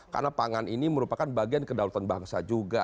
karena pangan ini merupakan bagian kedalutan bangsa juga